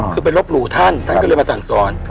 คือไปลบหลู่ท่านท่านก็เลยมาสั่งสอน